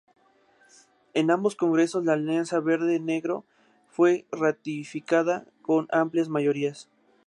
En ambos congresos la alianza verde-negro fue ratificada con amplias mayorías.